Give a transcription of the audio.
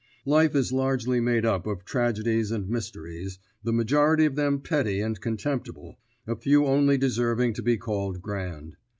Life is largely made up of tragedies and mysteries, the majority of them petty and contemptible, a few only deserving to be called grand.